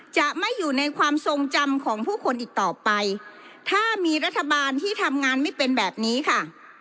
จะไม่อยู่ในความทรงจำของผู้คนอีกต่อไปถ้ามีรัฐบาลที่ทำงานไม่เป็นแบบนี้ค่ะ